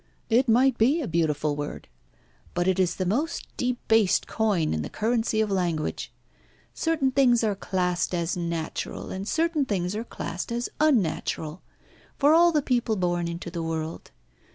It might be a beautiful word, but it is the most debased coin in the currency of language. Certain things are classed as natural, and certain things are classed as unnatural for all the people born into the world.